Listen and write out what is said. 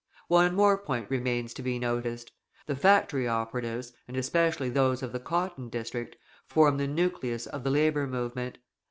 One more point remains to be noticed. The factory operatives, and especially those of the cotton district, form the nucleus of the labour movement.